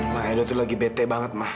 mama edo tuh lagi bete banget ma